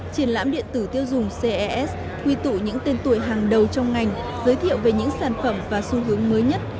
triển lãm điện tử tiêu dùng ces quy tụ những tên tuổi hàng đầu trong ngành giới thiệu về những sản phẩm và xu hướng mới nhất